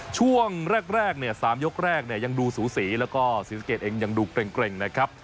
ช่วงแรกเนี่ย๓ยกแรกเนี่ยยังดูสูสีแล้วก็ศรีสะเกดเองยังดูเกร็งนะครับ